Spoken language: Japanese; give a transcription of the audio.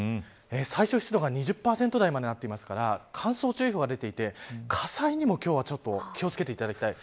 最小湿度が２０％台になっているので乾燥注意報が出ていて火災にも今日はちょっと気を付けていただきたい。